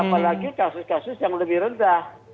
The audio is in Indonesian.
apalagi kasus kasus yang lebih rendah